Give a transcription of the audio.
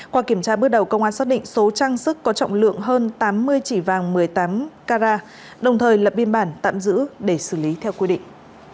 qua kiểm tra bước đầu công an xác định số trang sức có trọng lượng hơn tám mươi chỉ vàng một mươi tám carat đồng thời lập biên bản tạm giữ để xử lý theo quy định